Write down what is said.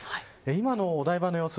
今のお台場の様子